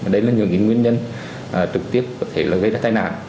đây là những nguyên nhân trực tiếp có thể gây ra tai nạn